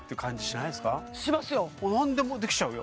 なんでもできちゃうよ